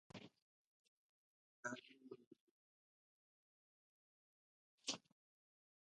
judika lelah mengejar bus kota